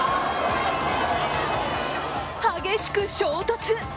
激しく衝突。